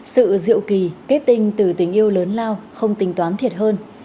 sự diệu kỳ kết tinh từ tình yêu lớn lao không tính toán thiệt hơn